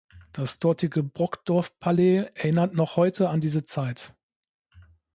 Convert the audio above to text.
Das dortige Brockdorff-Palais erinnert noch heute an diese Zeit.